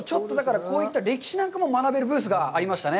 こういった歴史なんかも学べるブースがありましたね。